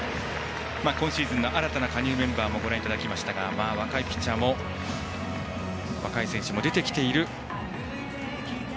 今シーズン新たな加入メンバーもご覧いただきましたが若い選手も出てきています。